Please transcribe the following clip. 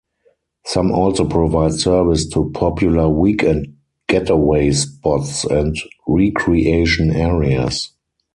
Some also provide service to popular weekend getaway spots and recreation areas.